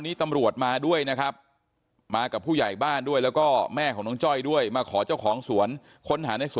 น้องจ้อยนั่งก้มหน้าไม่มีใครรู้ข่าวว่าน้องจ้อยเสียชีวิตไปแล้ว